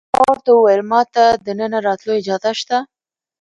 ما ورته وویل: ما ته د دننه راتلو اجازه شته؟